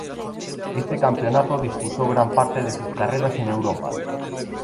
Este campeonato disputó gran parte de sus carreras en Europa.